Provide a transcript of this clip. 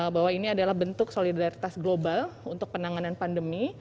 bahwa ini adalah bentuk solidaritas global untuk penanganan pandemi